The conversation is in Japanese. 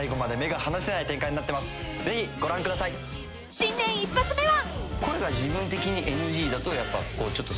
［新年一発目は］